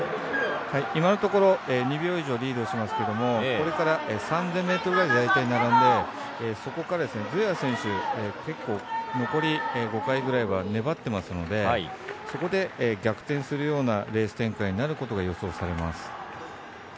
今のところ、２秒以上リードしていますけどこれから３０００ｍで大体並んでそこからズエワ選手、結構残り５回ぐらいは粘っていますのでそこで逆転するようなレース展開になることが予想されます。